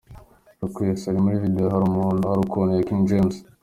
Lukwesa ari muri video ya 'Hari Ukuntu' ya King James.